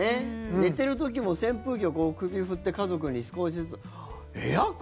寝てる時も扇風機は首を振って家族に少しずつ。